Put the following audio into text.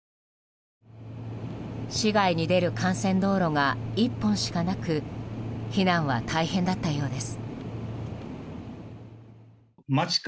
市街に出る幹線道路が１本しかなく避難は大変だったようです。